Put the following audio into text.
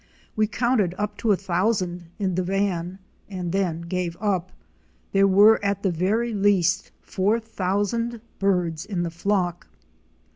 We counted up to a thousand in the van and then gave up — there were at the very least four thousand birds in the flock.